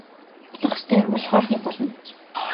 Болох ёстой юм болохоо л нэг болно.